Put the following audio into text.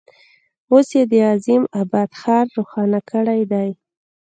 اوس یې د عظیم آباد ښار روښانه کړی دی.